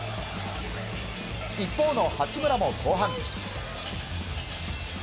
一方の八村も後半。